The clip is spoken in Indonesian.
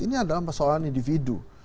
ini adalah masalah individu